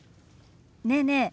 ねえねえ